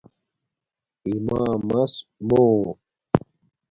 اِمامس مُو